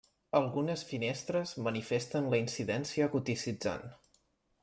Algunes finestres manifesten la incidència goticitzant.